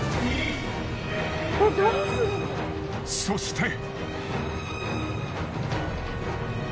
そして。